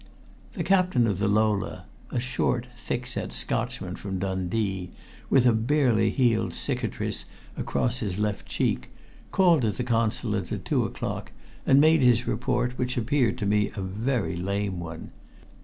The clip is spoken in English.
The captain of the Lola, a short, thickset Scotsman from Dundee, with a barely healed cicatrice across his left cheek, called at the Consulate at two o'clock and made his report, which appeared to me to be a very lame one.